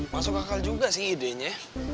masuk akal juga sih idenya